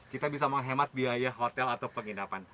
kita bisa menghemat biaya hotel atau penginapan